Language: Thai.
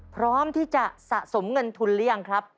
พร้อมที่จะสะสมเงินทุนหรือยังครับ